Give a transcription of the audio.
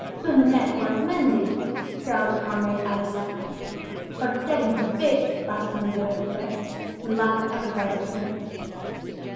"So the net wants mending," growled a comrade at his side. "Or tearing to bits," laughed another of the guests; and the laugh was echoed by his companions.